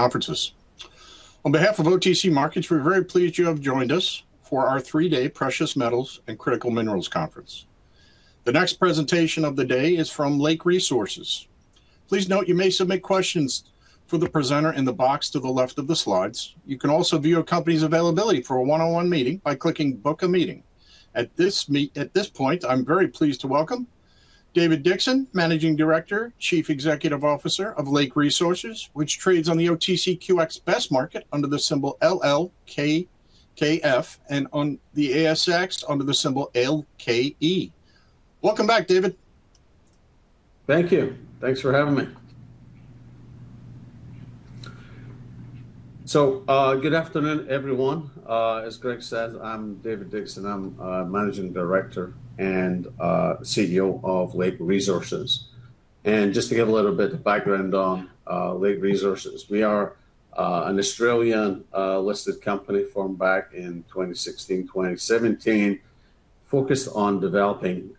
conferences. On behalf of OTC Markets, we're very pleased you have joined us for our three-day Precious Metals and Critical Minerals Conference. The next presentation of the day is from Lake Resources. Please note, you may submit questions for the presenter in the box to the left of the slides. You can also view a company's availability for a one-on-one meeting by clicking Book a Meeting. At this point, I'm very pleased to welcome David Dickson, Managing Director, Chief Executive Officer of Lake Resources, which trades on the OTCQX Best Market under the symbol LLKKF, and on the ASX under the symbol LKE. Welcome back, David. Thank you. Thanks for having me. So, good afternoon, everyone. As Greg said, I'm David Dickson. I'm Managing Director and CEO of Lake Resources. And just to give a little bit of background on Lake Resources, we are an Australian listed company formed back in 2016, 2017, focused on developing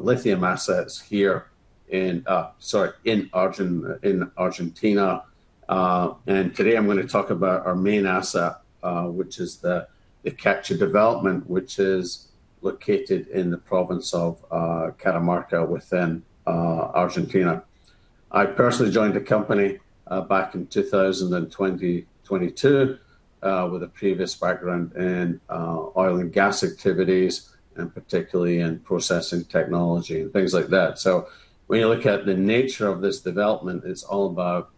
lithium assets here in, sorry, in Argentina. And today I'm gonna talk about our main asset, which is the Kachi development, which is located in the province of Catamarca within Argentina. I personally joined the company back in 2022, with a previous background in oil and gas activities, and particularly in processing technology and things like that. So when you look at the nature of this development, it's all about,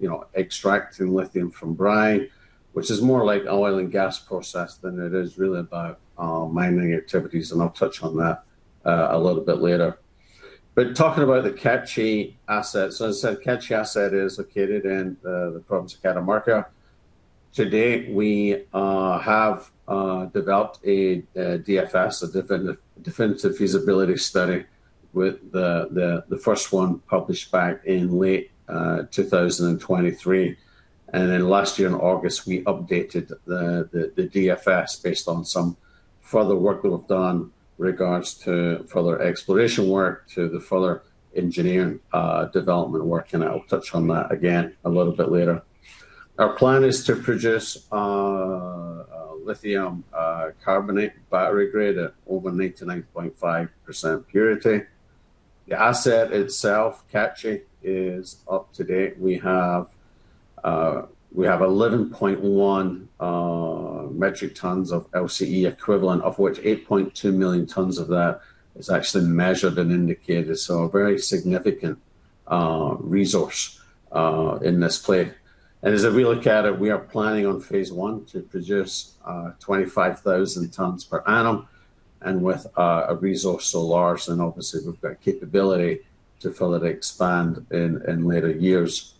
you know, extracting lithium from brine, which is more like an oil and gas process than it is really about, mining activities, and I'll touch on that a little bit later. But talking about the Kachi asset. So as I said, Kachi asset is located in the province of Catamarca. To date, we have developed a DFS, a Definitive Feasibility Study, with the first one published back in late 2023. And then last year in August, we updated the DFS based on some further work that we've done in regards to further exploration work, to the further engineering development work, and I'll touch on that again a little bit later. Our plan is to produce lithium carbonate battery grade at over 99.5% purity. The asset itself, Kachi, is up to date. We have 11.1 metric tons of LCE equivalent, of which 8.2 million tons of that is actually measured and indicated, so a very significant resource in this play. As we look at it, we are planning on phase one to produce 25,000 tons per annum, and with a resource so large, then obviously we've got capability to further expand in later years.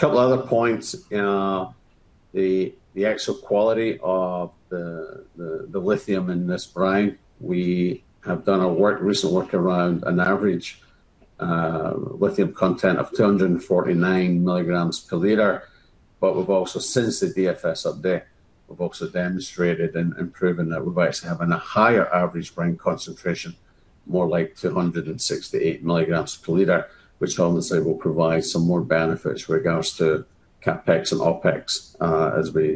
Couple other points in the actual quality of the lithium in this brine. We have done a work, recent work around an average lithium content of 249 milligrams per liter, but we've also, since the DFS update, we've also demonstrated and proven that we're actually having a higher average brine concentration, more like 268 milligrams per liter, which honestly will provide some more benefits with regards to CapEx and OpEx,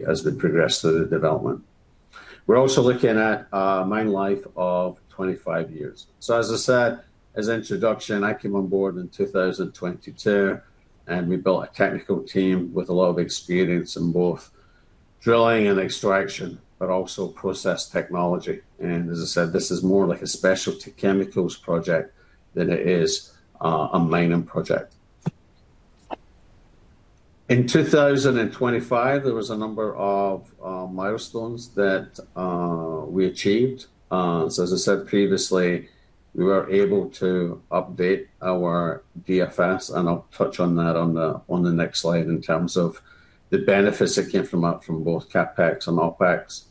as we progress through the development. We're also looking at a mine life of 25 years. So as I said, as introduction, I came on board in 2022, and we built a technical team with a lot of experience in both drilling and extraction, but also process technology. As I said, this is more like a specialty chemicals project than it is a mining project. In 2025, there was a number of milestones that we achieved. So as I said previously, we were able to update our DFS, and I'll touch on that on the next slide in terms of the benefits that came from that from both CapEx and OpEx.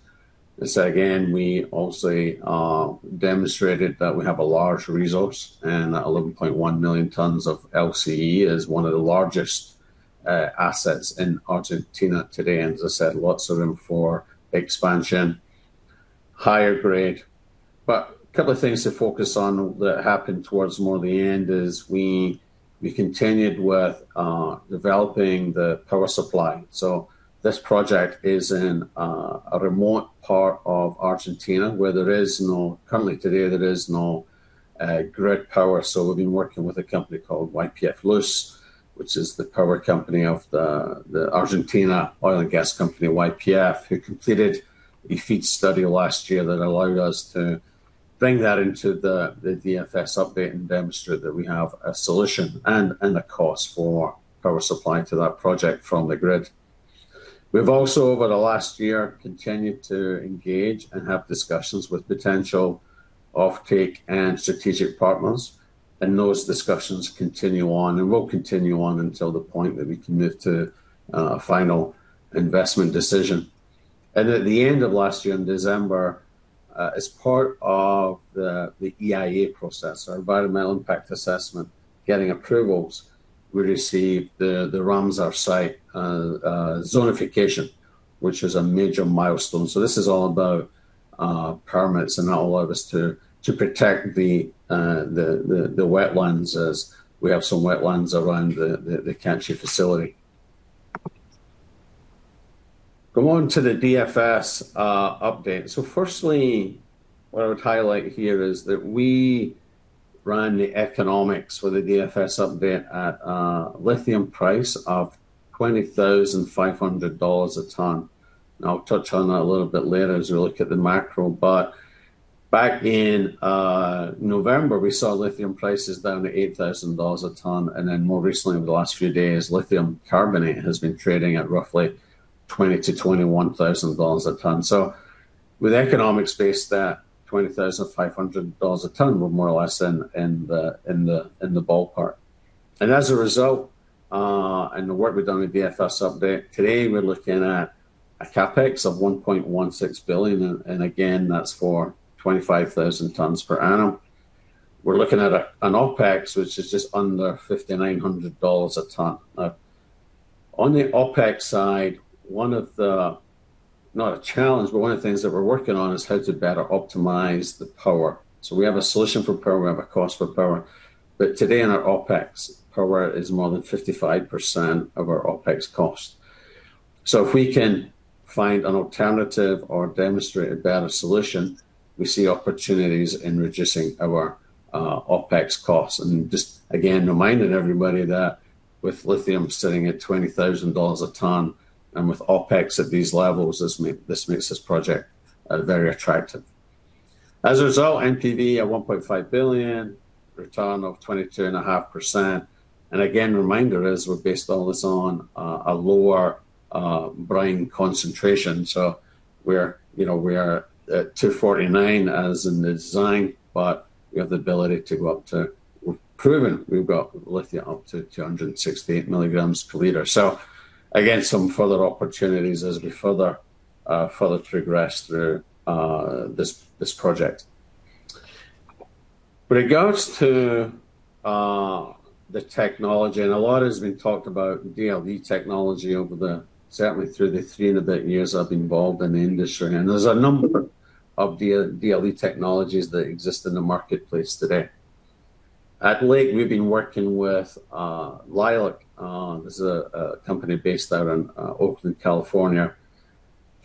So again, we also demonstrated that we have a large resource, and that 11.1 million tons of LCE is one of the largest assets in Argentina today, and as I said, lots of room for expansion, higher grade. But a couple of things to focus on that happened towards more the end is we continued with developing the power supply. So this project is in a remote part of Argentina where there is no grid power currently today, so we've been working with a company called YPF Luz, which is the power company of the Argentina oil and gas company, YPF, who completed a FEED study last year that allowed us to bring that into the DFS update and demonstrate that we have a solution and a cost for power supply to that project from the grid. We've also, over the last year, continued to engage and have discussions with potential offtake and strategic partners, and those discussions continue on and will continue on until the point that we commit to a final investment decision. At the end of last year in December, as part of the EIA process, our environmental impact assessment, getting approvals, we received the Ramsar site zonification, which is a major milestone. So this is all about permits, and that will allow us to protect the wetlands, as we have some wetlands around the Kachi facility. Go on to the DFS update. So firstly, what I would highlight here is that we ran the economics for the DFS update at a lithium price of $20,500 a ton, and I'll touch on that a little bit later as we look at the macro. But back in November, we saw lithium prices down to $8,000 a ton, and then more recently, in the last few days, lithium carbonate has been trading at roughly $20,000-$21,000 a ton. So with the economics based at $20,500 a ton, we're more or less in the ballpark. And as a result, and the work we've done with DFS update, today, we're looking at a CapEx of $1.16 billion, and again, that's for 25,000 tons per annum. We're looking at an OpEx, which is just under $5,900 a ton. On the OpEx side, one of the... not a challenge, but one of the things that we're working on, is how to better optimize the power. So we have a solution for power, we have a cost for power, but today in our OpEx, power is more than 55% of our OpEx cost. So if we can find an alternative or demonstrate a better solution, we see opportunities in reducing our OpEx costs. And just again, reminding everybody that with lithium sitting at $20,000 a ton, and with OpEx at these levels, this makes this project very attractive. As a result, NPV at $1.5 billion, return of 22.5%, and again, reminder is we're based all this on a lower brine concentration. So we're, you know, we are at 249 as in the design, but we have the ability to go up to—we've proven we've got lithium up to 268 milligrams per liter. So again, some further opportunities as we further progress through this project. When it goes to the technology, and a lot has been talked about DLE technology over the certainly through the 3.5 years I've been involved in the industry, and there's a number of DLE technologies that exist in the marketplace today. At Lake, we've been working with Lilac, a company based out in Oakland, California.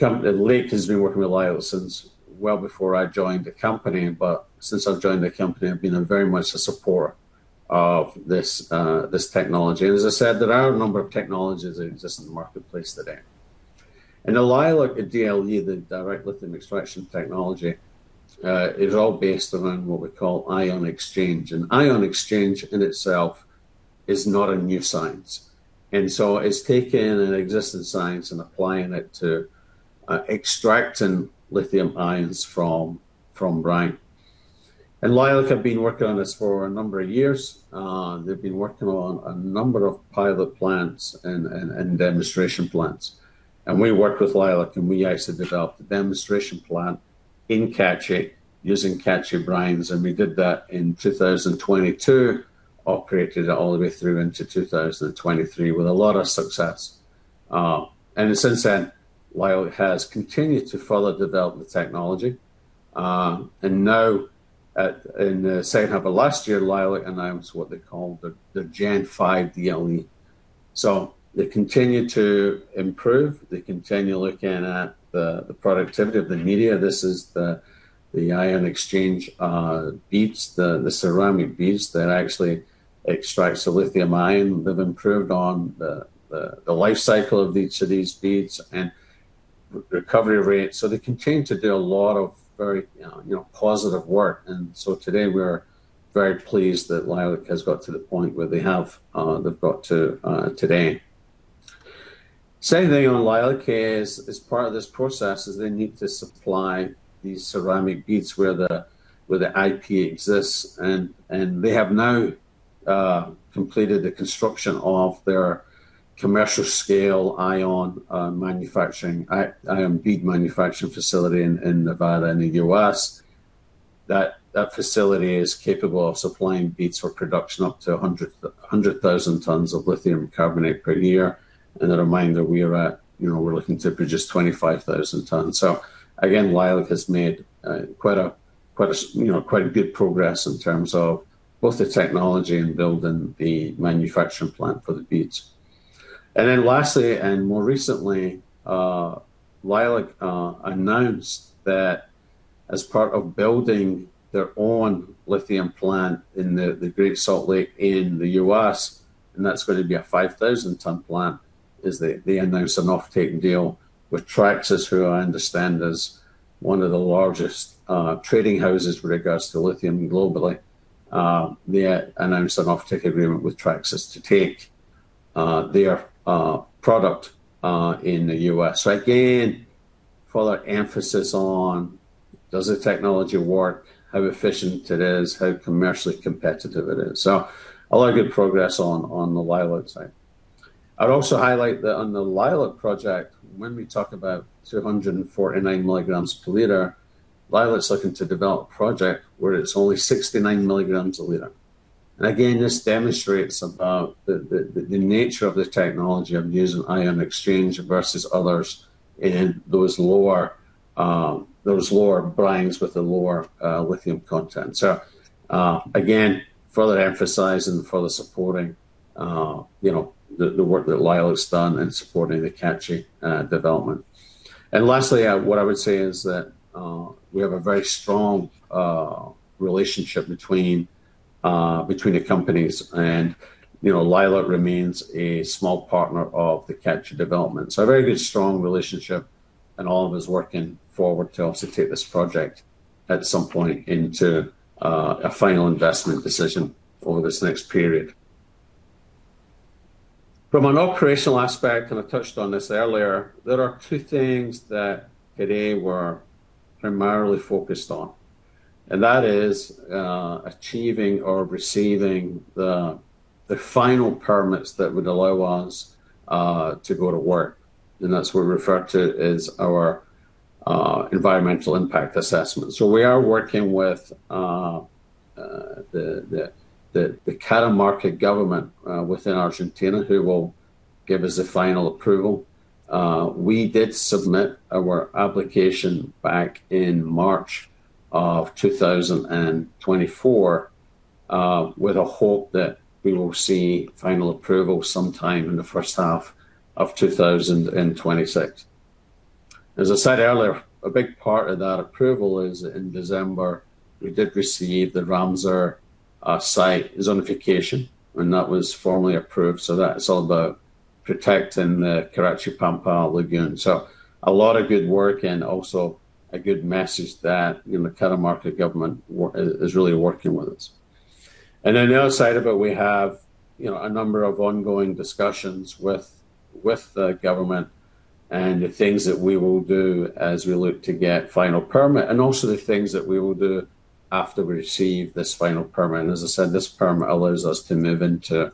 Lake has been working with Lilac since well before I joined the company, but since I've joined the company, I've been very much a supporter of this technology. As I said, there are a number of technologies that exist in the marketplace today. The Lilac, the DLE, the Direct Lithium Extraction technology is all based around what we call ion exchange. Ion Exchange in itself is not a new science, and so it's taking an existing science and applying it to extracting lithium ions from brine. And Lilac have been working on this for a number of years. They've been working on a number of pilot plants and demonstration plants. And we worked with Lilac, and we actually developed a demonstration plant in Kachi, using Kachi brines, and we did that in 2022, operated it all the way through into 2023, with a lot of success. And since then, Lilac has continued to further develop the technology. And now, in the second half of last year, Lilac announced what they call the Gen 5 DLE. So they continue to improve. They continue looking at the productivity of the media. This is the Ion Exchange beads, the ceramic beads that actually extracts the lithium ion. They've improved on the life cycle of each of these beads and recovery rate. So they continue to do a lot of very, you know, positive work, and so today we are very pleased that Lilac has got to the point where they have, they've got to today. Same thing on Lilac is, as part of this process, they need to supply these ceramic beads where the IP exists, and they have now completed the construction of their commercial scale ion bead manufacturing facility in Nevada, in the U.S. That facility is capable of supplying beads for production up to 100,000 tons of Lithium Carbonate per year. And a reminder, we are at, you know, we're looking to produce 25,000 tons. So again, Lilac has made quite a good progress in terms of both the technology and building the manufacturing plant for the beads. And then lastly, and more recently, Lilac announced that as part of building their own lithium plant in the Great Salt Lake in the U.S., and that's going to be a 5,000-ton plant, they announced an offtake deal with Traxys, who I understand is one of the largest trading houses with regards to lithium globally. They announced an offtake agreement with Traxys to take their product in the U.S. So again, further emphasis on does the technology work, how efficient it is, how commercially competitive it is. So a lot of good progress on, on the Lilac side. I'd also highlight that on the Lilac project, when we talk about 249 milligrams per liter, Lilac is looking to develop a project where it's only 69 milligrams per liter. And again, this demonstrates about the nature of the technology of using Ion Exchange versus others in those lower brines with the lower lithium content. So again, further emphasizing, further supporting, you know, the work that Lilac has done in supporting the Kachi development. And lastly, what I would say is that we have a very strong relationship between the companies. And, you know, Lilac remains a small partner of the Kachi development. So a very good, strong relationship, and all of us working forward to obviously take this project at some point into a final investment decision over this next period. From an operational aspect, and I touched on this earlier, there are two things that today we're primarily focused on, and that is, achieving or receiving the final permits that would allow us to go to work, and that's what we refer to as our environmental impact assessment. So we are working with the Catamarca government within Argentina, who will give us the final approval. We did submit our application back in March 2024 with a hope that we will see final approval sometime in the first half of 2026. As I said earlier, a big part of that approval is in December, we did receive the Ramsar site zonification, and that was formally approved. So that is all about protecting the Laguna Carachi Pampa. So a lot of good work and also a good message that, you know, the Catamarca government is really working with us. And then the other side of it, we have, you know, a number of ongoing discussions with the government and the things that we will do as we look to get final permit, and also the things that we will do after we receive this final permit. And as I said, this permit allows us to move into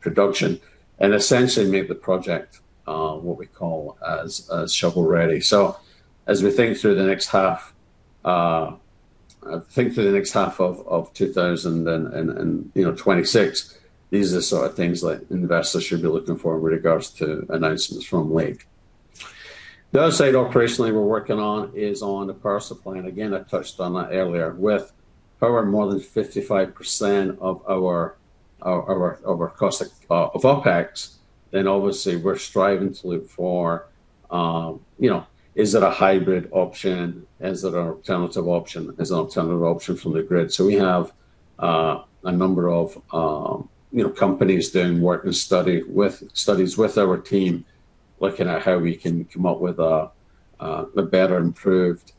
production and essentially make the project what we call as shovel-ready. So as we think through the next half, I think through the next half of 2026, you know, these are the sort of things that investors should be looking for with regards to announcements from Lake. The other side operationally we're working on is on the power supply, and again, I touched on that earlier. With over more than 55% of our cost of OpEx, then obviously we're striving to look for, you know, is it a hybrid option? Is it an alternative option? Is an alternative option from the grid. So we have a number of, you know, companies doing work and studies with our team, looking at how we can come up with a better improved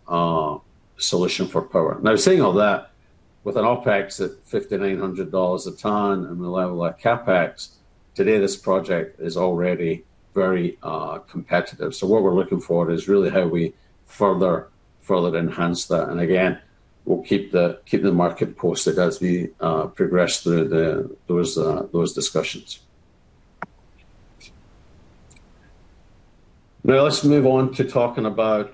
solution for power. Now, saying all that, with an OpEx at $5,900 a ton and the level of CapEx, today, this project is already very competitive. So what we're looking for is really how we further enhance that. And again, we'll keep the market posted as we progress through those discussions. Now, let's move on to talking about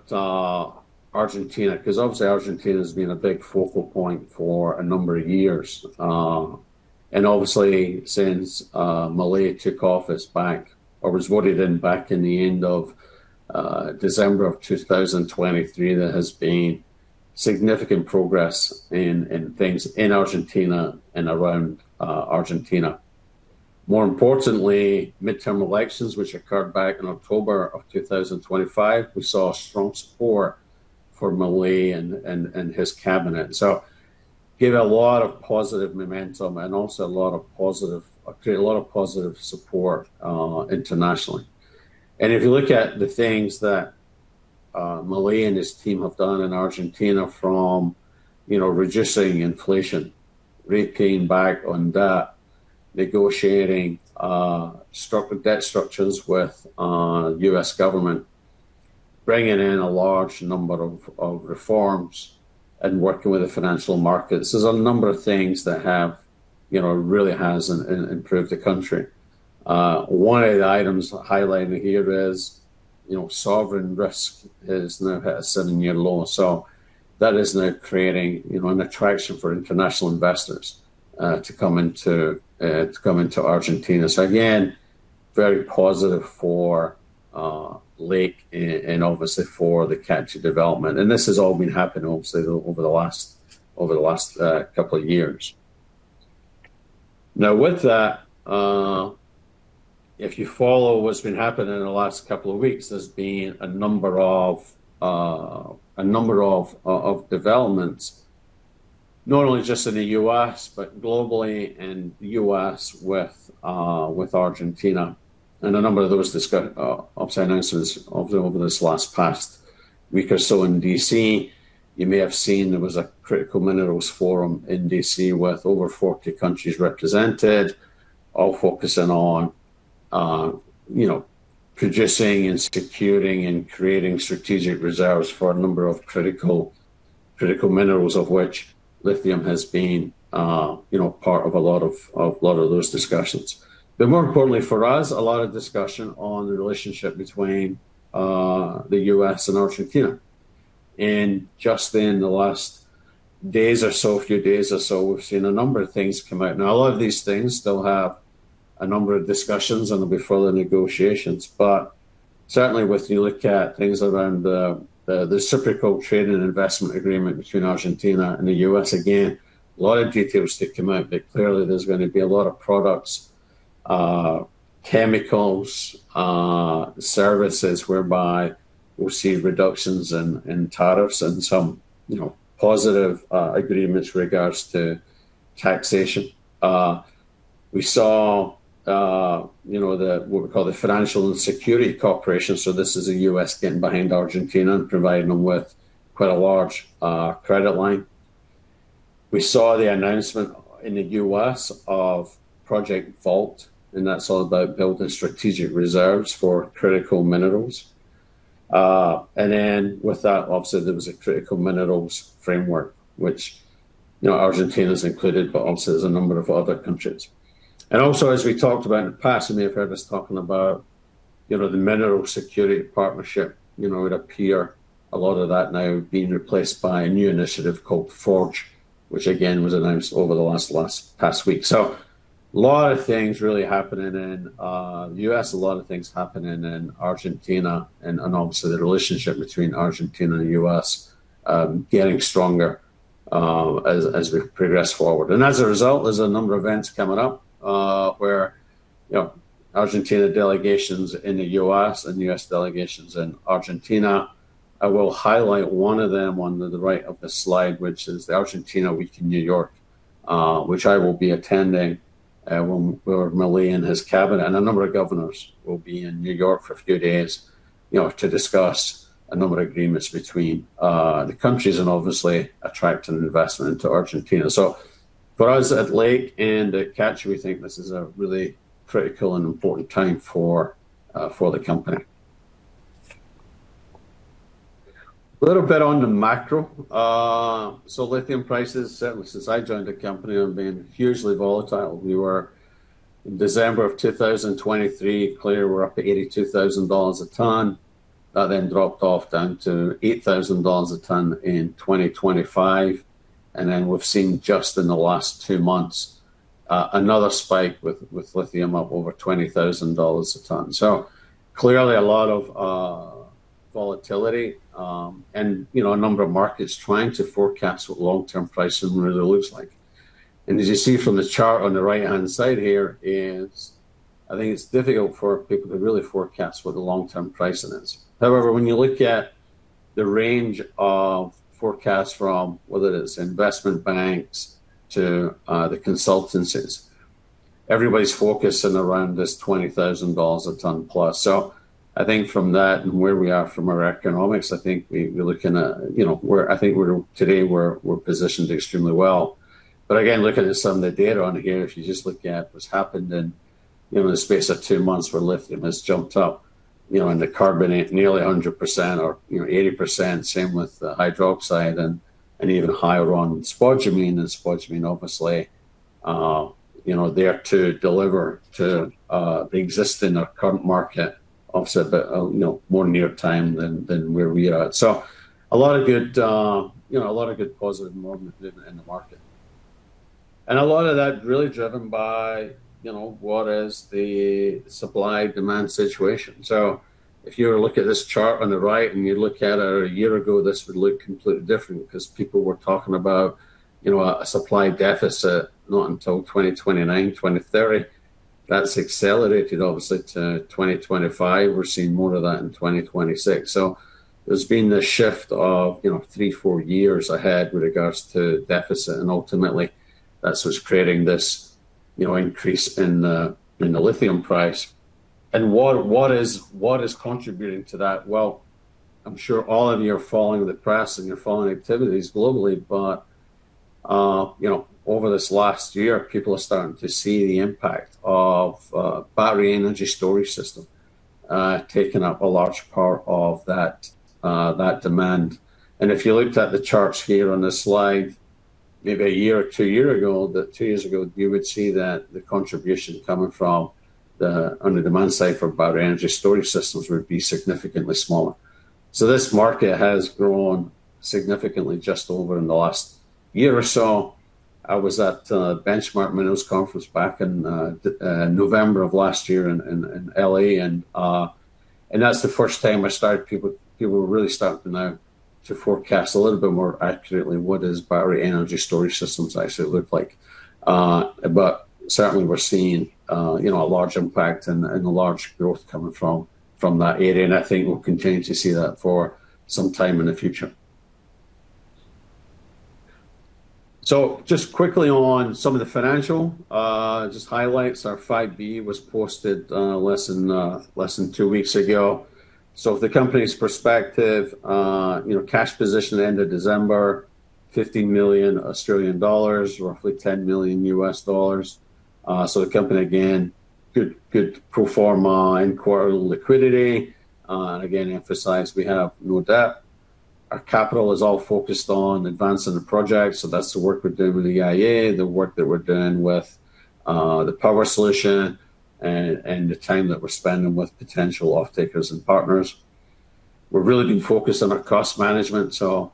Argentina, 'cause obviously Argentina has been a big focal point for a number of years. And obviously, since Milei took office back, or was voted in back in the end of December of 2023, there has been significant progress in things in Argentina and around Argentina. More importantly, midterm elections, which occurred back in October of 2025, we saw a strong support for Milei and his cabinet. So gave a lot of positive momentum and also a lot of positive, created a lot of positive support, internationally. And if you look at the things that, Milei and his team have done in Argentina, from, you know, reducing inflation, repaying back on debt, negotiating, structure, debt structures with, U.S. government, bringing in a large number of, of reforms, and working with the financial markets. There's a number of things that have, you know, really has improved the country. One of the items highlighted here is, you know, sovereign risk is now at a seven-year low, so that is now creating, you know, an attraction for international investors, to come into, to come into Argentina. So again, very positive for, Lake and, and obviously for the Kachi development. This has all been happening obviously over the last couple of years. Now, with that, if you follow what's been happening in the last couple of weeks, there's been a number of developments, not only just in the U.S., but globally and U.S. with Argentina, and a number of those obviously announcements over this last past week or so in D.C. You may have seen there was a Critical Minerals Forum in D.C. with over 40 countries represented, all focusing on, you know, producing and securing and creating strategic reserves for a number of critical minerals, of which lithium has been, you know, part of a lot of those discussions. But more importantly for us, a lot of discussion on the relationship between the U.S. and Argentina, and just in the last days or so, a few days or so, we've seen a number of things come out. Now, a lot of these things still have a number of discussions, and there'll be further negotiations. But certainly, when you look at things around the reciprocal trade and investment agreement between Argentina and the U.S., again, a lot of details that come out, but clearly there's going to be a lot of products, chemicals, services, whereby we'll see reductions in tariffs and some, you know, positive agreements with regards to taxation. We saw, you know, what we call the Financial and Security Corporation, so this is the U.S. getting behind Argentina and providing them with quite a large credit line. We saw the announcement in the U.S. of Project Vault, and that's all about building strategic reserves for critical minerals. And then with that, obviously, there was a critical minerals framework, which, you know, Argentina is included, but also there's a number of other countries. And also, as we talked about in the past, you may have heard us talking about, you know, the Minerals Security Partnership, you know, it appear a lot of that now being replaced by a new initiative called FORGE, which again, was announced over the past week. So a lot of things really happening in the U.S., a lot of things happening in Argentina, and obviously the relationship between Argentina and the U.S. getting stronger as we progress forward. And as a result, there's a number of events coming up, where, you know, Argentina delegations in the U.S. and U.S. delegations in Argentina. I will highlight one of them on the right of the slide, which is the Argentina Week in New York, which I will be attending, where Milei and his cabinet and a number of governors will be in New York for a few days, you know, to discuss a number of agreements between the countries and obviously attract an investment into Argentina. So for us at Lake and at Kachi, we think this is a really critical and important time for for the company. A little bit on the macro. So lithium prices, ever since I joined the company, have been hugely volatile. We were in December of 2023, clearly we're up to $82,000 a ton. That then dropped off down to $8,000 a ton in 2025, and then we've seen just in the last two months, another spike with lithium up over $20,000 a ton. So clearly, a lot of volatility, and, you know, a number of markets trying to forecast what long-term pricing really looks like. As you see from the chart on the right-hand side here is, I think it's difficult for people to really forecast what the long-term price is. However, when you look at the range of forecasts from whether it's investment banks to the consultancies, everybody's focusing around this $20,000 a ton plus. So I think from that and where we are from our economics, I think we're looking at, you know, we're positioned extremely well today. But again, looking at some of the data on here, if you just look at what's happened in, you know, the space of two months, where lithium has jumped up, you know, in the carbonate, nearly 100% or, you know, 80%. Same with the hydroxide and even higher on spodumene, and spodumene, obviously, you know, there to deliver to the existing or current market, obviously, at the, you know, more near time than where we are at. So a lot of good, you know, a lot of good positive momentum in the market. And a lot of that really driven by, you know, what is the supply-demand situation. So if you were to look at this chart on the right, and you look at it a year ago, this would look completely different because people were talking about, you know, a supply deficit, not until 2029, 2030. That's accelerated, obviously, to 2025. We're seeing more of that in 2026. So there's been this shift of, you know, three, four years ahead with regards to deficit, and ultimately, that's what's creating this, you know, increase in the lithium price. And what is contributing to that? Well, I'm sure all of you are following the press, and you're following activities globally, but, you know, over this last year, people are starting to see the impact of battery energy storage system taking up a large part of that demand. If you looked at the charts here on this slide, maybe a year or two years ago, you would see that the contribution coming from on the demand side for battery energy storage systems would be significantly smaller. So this market has grown significantly just over in the last year or so. I was at Benchmark Minerals Conference back in November of last year in L.A., and that's the first time people were really starting to forecast a little bit more accurately what is battery energy storage systems actually look like. But certainly we're seeing, you know, a large impact and a large growth coming from that area, and I think we'll continue to see that for some time in the future. So just quickly on some of the financial just highlights. Our 5B was posted less than two weeks ago. So from the company's perspective, you know, cash position ended December, 50 million Australian dollars, roughly $10 million. So the company, again, good pro forma and quarterly liquidity. And again, emphasize we have no debt. Our capital is all focused on advancing the project, so that's the work we're doing with the IA, the work that we're doing with the power solution... and the time that we're spending with potential offtakers and partners. We're really being focused on our cost management, so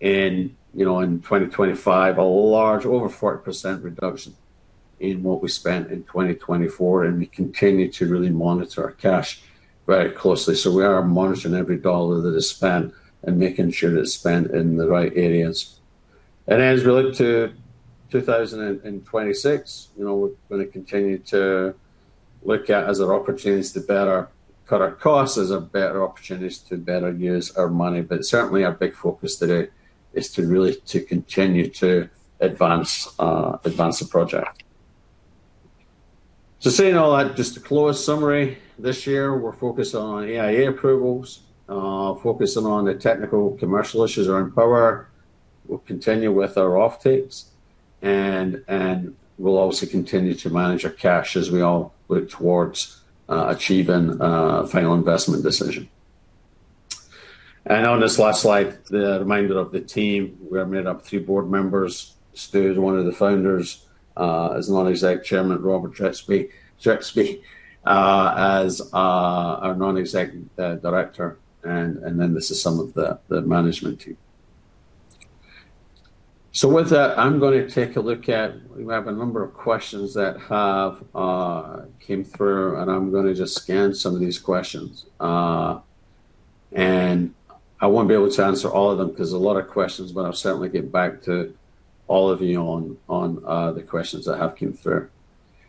in, you know, in 2025, a large, over 40% reduction in what we spent in 2024, and we continue to really monitor our cash very closely. So we are monitoring every dollar that is spent and making sure it's spent in the right areas. And as we look to 2026, you know, we're gonna continue to look at as our opportunities to better cut our costs, as our better opportunities to better use our money. But certainly, our big focus today is to really, to continue to advance, advance the project. So saying all that, just a close summary. This year, we're focused on EIA approvals, focusing on the technical commercial issues around power. We'll continue with our offtakes, and, and we'll also continue to manage our cash as we all look towards, achieving a final investment decision. And on this last slide, the reminder of the team. We are made up of three board members. Stuart, one of the founders, as a non-exec chairman, and Robert Trzebski, Trzebski, as our, our non-exec, director, and then this is some of the, the management team. So with that, I'm gonna take a look at, we have a number of questions that have, came through, and I'm gonna just scan some of these questions. And I won't be able to answer all of them 'cause a lot of questions, but I'll certainly get back to all of you on, on, the questions that have come through.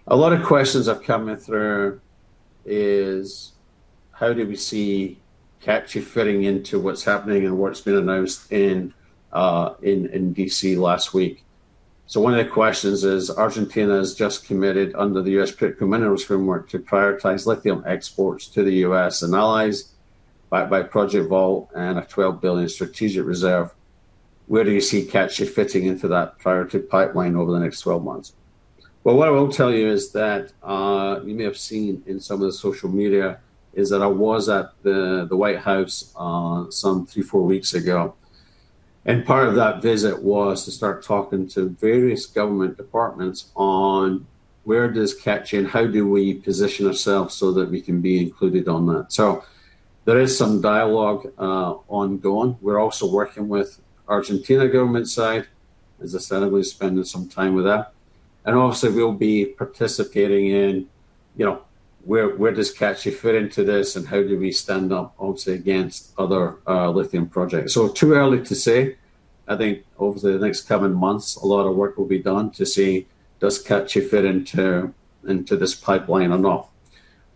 A lot of questions have coming through is: How do we see Kachi fitting into what's happening and what's been announced in, in, D.C. last week? So one of the questions is, Argentina has just committed under the US Critical Minerals Framework to prioritize lithium exports to the US and allies by Project Vault and a $12 billion strategic reserve. Where do you see Kachi fitting into that priority pipeline over the next 12 months? Well, what I will tell you is that, you may have seen in some of the social media, is that I was at the White House some three or four weeks ago. And part of that visit was to start talking to various government departments on where does Kachi and how do we position ourselves so that we can be included on that? So there is some dialogue ongoing. We're also working with Argentina government side, as I said, we spending some time with that. And also, we'll be participating in, you know, where, where does Kachi fit into this, and how do we stand up obviously against other lithium projects? So too early to say. I think over the next coming months, a lot of work will be done to see, does Kachi fit into, into this pipeline or not.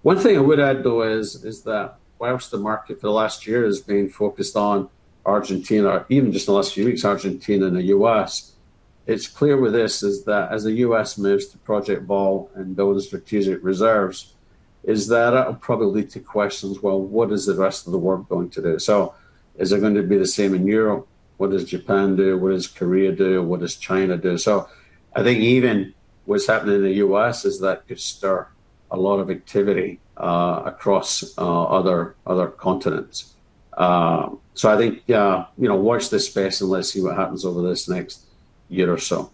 One thing I would add, though, is, is that while the market for the last year has been focused on Argentina, even just the last few weeks, Argentina and the US, it's clear with this is that as the US moves to Project Vault and build strategic reserves, is that'll probably lead to questions, Well, what is the rest of the world going to do? So is it gonna be the same in Europe? What does Japan do? What does Korea do, and what does China do? So I think even what's happening in the U.S. is that could stir a lot of activity across other continents. So I think, you know, watch this space, and let's see what happens over this next year or so.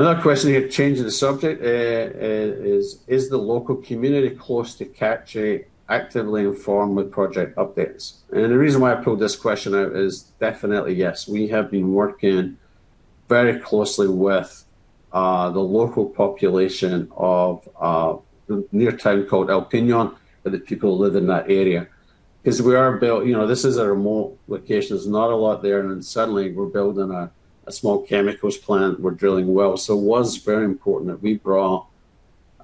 Another question here, changing the subject, is: Is the local community close to Kachi actively informed with project updates? And the reason why I pulled this question out is definitely yes. We have been working very closely with the local population of the near town called El Peñón, and the people who live in that area. 'Cause we are built-- You know, this is a remote location. There's not a lot there, and then suddenly, we're building a small chemicals plant, we're drilling wells. So it was very important that we brought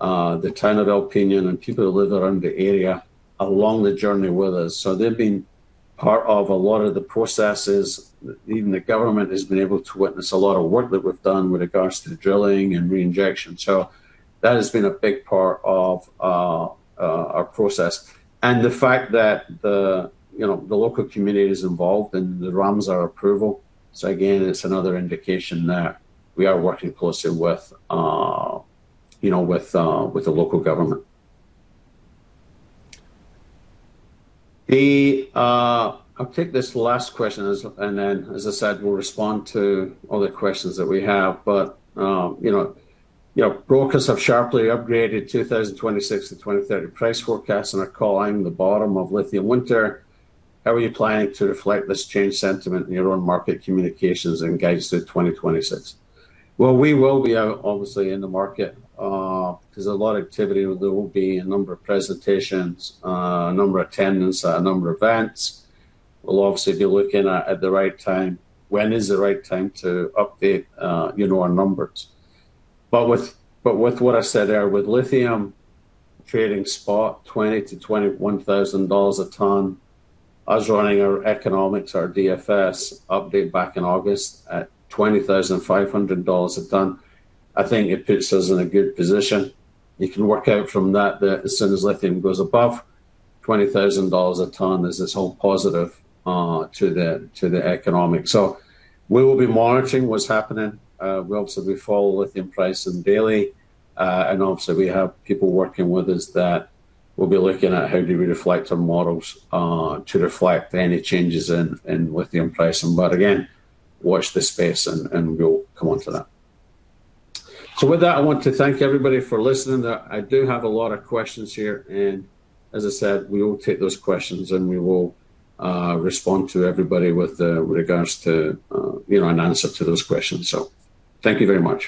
the town of El Peñón and people who live around the area along the journey with us. So they've been part of a lot of the processes. Even the government has been able to witness a lot of work that we've done with regards to the drilling and reinjection. So that has been a big part of our process. And the fact that the, you know, the local community is involved in the Ramsar approval. So again, it's another indication that we are working closely with, you know, with the local government. I'll take this last question, and then, as I said, we'll respond to other questions that we have. But, you know, you know, brokers have sharply upgraded 2026-2030 price forecast and are calling the bottom of lithium winter. How are you planning to reflect this change sentiment in your own market communications and guides to 2026? Well, we will be out, obviously, in the market. There's a lot of activity. There will be a number of presentations, a number of attendance at a number of events. We'll obviously be looking at the right time, when is the right time to update, you know, our numbers. But with what I said there, with lithium trading spot $20,000-$21,000 a ton, us running our economics, our DFS update back in August at $20,500 a ton, I think it puts us in a good position. You can work out from that, that as soon as lithium goes above $20,000 a ton, there's this whole positive, to the economic. So we will be monitoring what's happening. We obviously, we follow lithium price in daily, and obviously, we have people working with us that will be looking at how do we reflect our models, to reflect any changes in, in lithium pricing. But again, watch this space and we'll come on to that. So with that, I want to thank everybody for listening. I do have a lot of questions here, and as I said, we will take those questions, and we will, respond to everybody with, regards to, you know, an answer to those questions. So thank you very much.